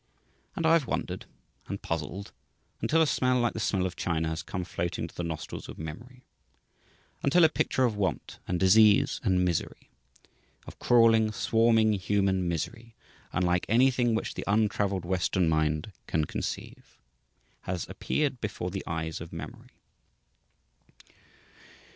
And I have wondered, and puzzled, until a smell like the smell of China has come floating to the nostrils of memory; until a picture of want and disease and misery of crawling, swarming human misery unlike anything which the untravelled Western mind can conceive has appeared before the eyes of memory.